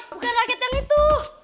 bukan raket yang itu